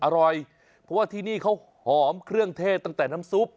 อร่อยเพราะว่าที่นี่เขาหอมเครื่องเทศตั้งแต่น้ำซุป